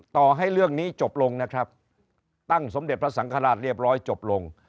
ต่อให้เรื่องนี้จบลงนะครับตั้งสมเด็จพระสังฆราชเรียบร้อยจบลง